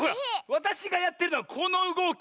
わたしがやってるのはこのうごき。